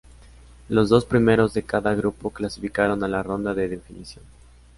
Los dos primeros de cada grupo clasificaron a la ronda de definición.